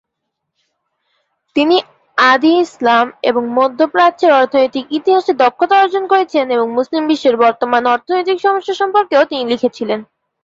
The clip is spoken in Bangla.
তিনি আদি ইসলাম এবং মধ্য প্রাচ্যের অর্থনৈতিক ইতিহাসে দক্ষতা অর্জন করেছিলেন এবং মুসলিম বিশ্বের বর্তমান অর্থনৈতিক সমস্যা সম্পর্কেও তিনি লিখেছিলেন।